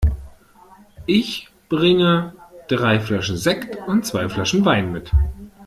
Ich bringe drei Flaschen Sekt und zwei Flaschen Wein mit.